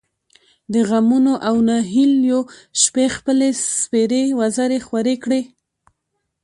د غمـونـو او نهـيليو شـپې خپـلې سپـېرې وزرې خـورې کـړې.